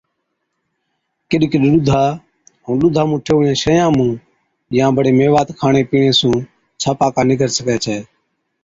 ڪِڏ ڪِڏ ڏُوڌا ائُون ڏُوڌا مُون ٺيهوڙِيان شئِيان مُون يان بڙي ميوات کاڻي پِيڻي سُون ڇاپڪا نِڪر سِگھَي ڇَي۔